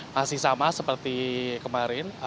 masih sama seperti kemarin